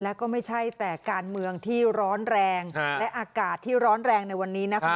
แล้วก็ไม่ใช่แต่การเมืองที่ร้อนแรงและอากาศที่ร้อนแรงในวันนี้นะคะ